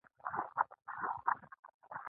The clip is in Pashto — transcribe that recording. د سرو منګولو د پایزیب شرنګ، شرنګ یې